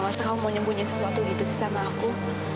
masa kamu mau nyembunyi sesuatu gitu sih sama aku